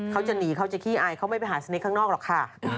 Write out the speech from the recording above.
เขาจะหนีเขาจะขี้อายเขาไม่ไปหาสเนคข้างนอกหรอกค่ะ